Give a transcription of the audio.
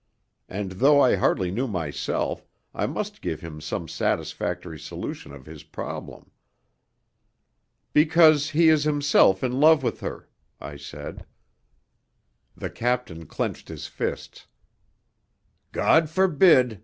And, though I hardly knew myself, I must give him some satisfactory solution of his problem. "Because he is himself in love with her," I said. The captain clenched his fists. "God forbid!"